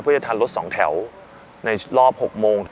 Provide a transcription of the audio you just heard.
เพื่อจะทันรถสองแถวในรอบ๖โมง